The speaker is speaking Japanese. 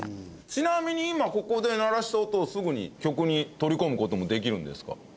ちなみに今ここで鳴らした音をすぐに曲に取り込む事もできるんですか？